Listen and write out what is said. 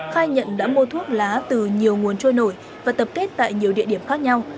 khai nhận đã mua thuốc lá từ nhiều nguồn trôi nổi và tập kết tại nhiều địa điểm khác nhau